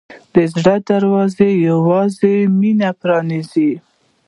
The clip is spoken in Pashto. د زړه دروازه یوازې مینه پرانیزي.